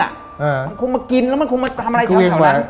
มันคงมากินแล้วมันคงมาทำอะไรแถวนั้น